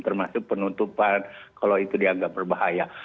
termasuk penutupan kalau itu dianggap berbahaya